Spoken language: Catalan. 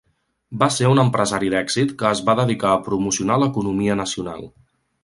Va ser un empresari d'èxit que es va dedicar a promocionar l'economia nacional.